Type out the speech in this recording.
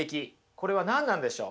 これは何なんでしょう？